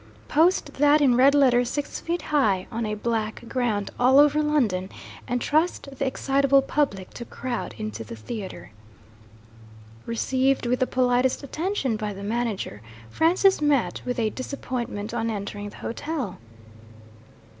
Post that in red letters six feet high, on a black ground, all over London and trust the excitable public to crowd into the theatre! Received with the politest attention by the manager, Francis met with a disappointment on entering the hotel.